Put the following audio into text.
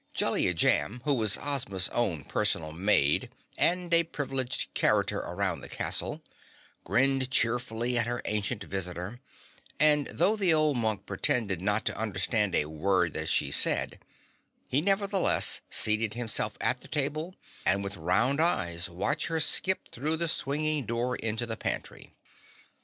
Jellia Jamb, who was Ozma's own personal maid and a privileged character around the castle, grinned cheerfully at her ancient visitor, and though the old monk pretended not to understand a word that she said, he nevertheless seated himself at the table and with round eyes watched her skip through the swinging door into the pantry.